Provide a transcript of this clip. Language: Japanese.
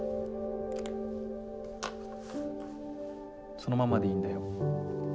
「そのままでいいんだよ」。